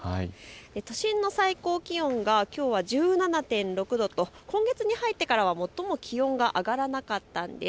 都心の最高気温が、きょうは１７．６度と今月に入ってからは最も気温が上がらなかったんです。